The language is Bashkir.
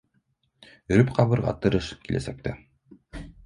— Өрөп ҡабырға тырыш киләсәктә